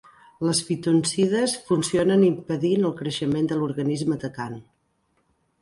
Les phytoncides funcionen impedint el creixement de l'organisme atacant.